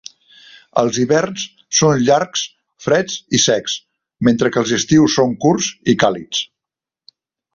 Els hiverns són llargs, freds i secs, mentre que els estius són curts i càlids.